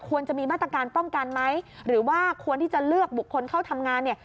จะมีมาตรการป้องกันไหมหรือว่าควรที่จะเลือกบุคคลเข้าทำงานเนี่ย